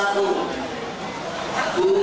nama pendernya nggak apa apa